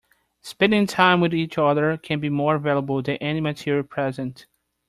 Spending time with each other can be more valuable than any material present.